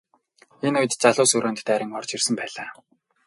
Энэ үед залуус өрөөнд дайран орж ирсэн байлаа.